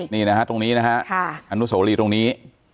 นี่นะฮะตรงนี้นะฮะอนุโสรีตรงนี้